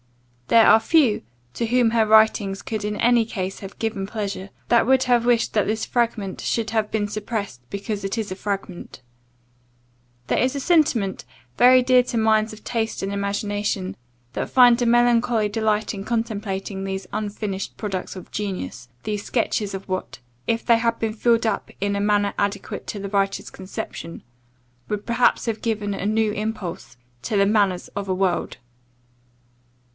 There are few, to whom her writings could in any case have given pleasure, that would have wished that this fragment should have been suppressed, because it is a fragment. There is a sentiment, very dear to minds of taste and imagination, that finds a melancholy delight in contemplating these unfinished productions of genius, these sketches of what, if they had been filled up in a manner adequate to the writer's conception, would perhaps have given a new impulse to the manners of a world.